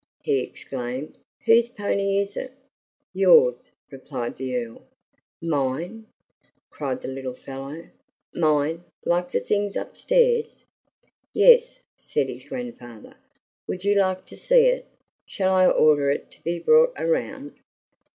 he exclaimed. "Whose pony is it?" "Yours," replied the Earl. "Mine?" cried the little fellow. "Mine like the things upstairs?" "Yes," said his grandfather. "Would you like to see it? Shall I order it to be brought around?"